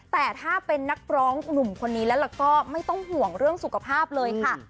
แต่ถ้าเป็นนักร้องหนุ่มคนนี้แล้วก็ไม่ต้องห่วงเรื่องสุขภาพเลยค่ะ